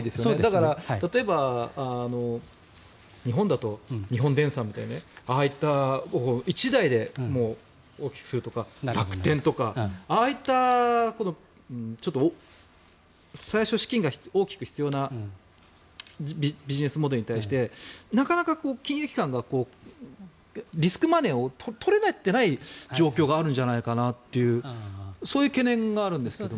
だから、例えば日本だと日本電産みたいなああいった１代で大きくするとか楽天とかああいった最初、資金が大きく必要なビジネスモデルに対してなかなか金融機関がリスクマネを取れていない状況があるんじゃないかとそういう懸念があるんですけど。